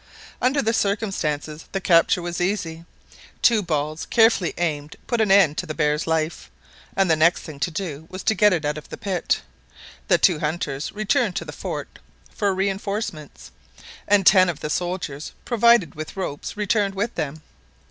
Under the circumstances the capture was easy. Two balls carefully aimed put an end to the bear's life, and the next thing to do was to get it out of the pit. The two hunters returned to the fort for reinforcements, and ten of the soldiers, provided with ropes, returned with them.